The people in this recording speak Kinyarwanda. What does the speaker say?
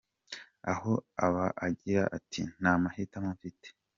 Aho aba agira ati: “Nta mahitamo mfite”.